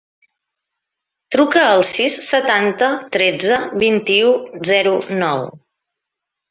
Truca al sis, setanta, tretze, vint-i-u, zero, nou.